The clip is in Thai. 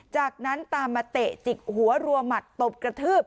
จากนั้นตามมาเตะจิกหัวรัวหมัดตบกระทืบ